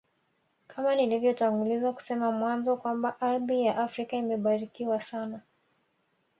Kama nilivyotanguliza kusema mwanzo Kwamba ardhi ya Afrika imebarikiwa sana